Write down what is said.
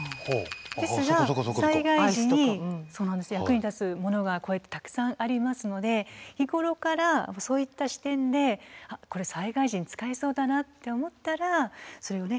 ですが災害時に役に立つものがこうやってたくさんありますので日頃からそういった視点でこれ災害時に使えそうだなって思ったらそれをね